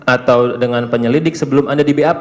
atau dengan penyelidik sebelum anda di bap